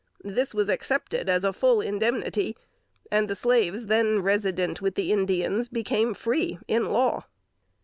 This was accepted as a full indemnity, and the slaves then resident with the Indians became free in law.